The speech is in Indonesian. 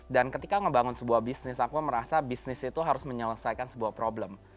dan ketika ngebangun sebuah bisnis aku merasa bisnis itu harus menyelesaikan sebuah problem